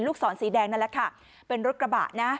ศรสีแดงนั่นแหละค่ะเป็นรถกระบะนะ